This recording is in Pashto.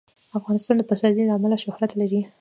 افغانستان د پسرلی له امله شهرت لري.